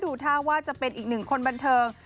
ดูท่าว่าจะเป็นอีกหนึ่งคนบันเทิง